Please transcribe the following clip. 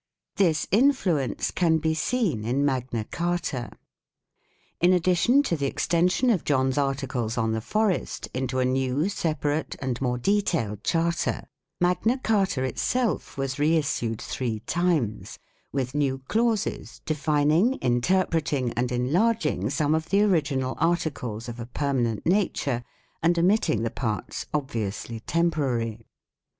1 This influence can be seen in Magna Carta. In addition to the extension of John's articles on the forest into a new, separate, and more detailed charter, Magna Carta itself was reissued three times, with new clauses, defining, interpreting, and enlarging some of the original articles of a permanent nature and omit ting the parts obviously temporary.